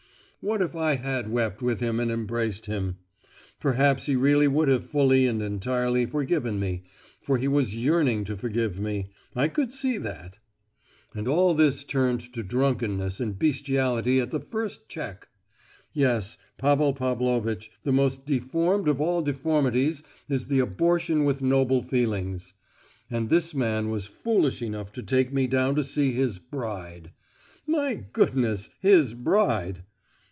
"What if I had wept with him and embraced him? Perhaps he really would have fully and entirely forgiven me—for he was yearning to forgive me, I could see that! And all this turned to drunkenness and bestiality at the first check. Yes, Pavel Pavlovitch, the most deformed of all deformities is the abortion with noble feelings. And this man was foolish enough to take me down to see his 'bride.' My goodness! his bride!